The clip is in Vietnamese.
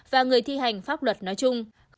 và người thi hành pháp luật nói chung